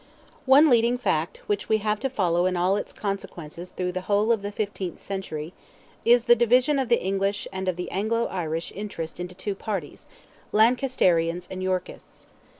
One leading fact, which we have to follow in all its consequences through the whole of the fifteenth century, is the division of the English and of the Anglo Irish interest into two parties, Lancasterians and Yorkists.